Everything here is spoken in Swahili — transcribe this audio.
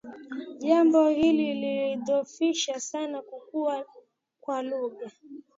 Jambo hili lilidhoofisha sana kukua kwa lugha